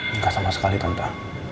enggak sama sekali tante